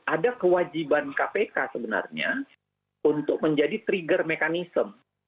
ada kewajiban kpk sebenarnya untuk menjadi trigger mechanism